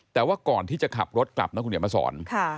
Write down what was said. แต่ว่าก่อนที่จะขับรถกลับนะคุณเดี๋ยวมาสอน